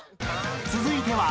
［続いては］